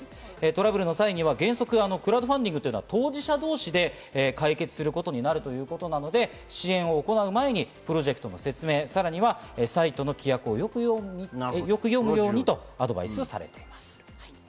トラブルの際は原則、クラウドファンディングは当事者同士で解決することになるので支援を行う前にプロジェクトの説明、さらにはサイトの規約をよく読むようにと、アドバイスされています。